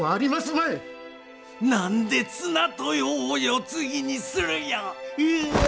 何で綱豊を世継ぎにするんや。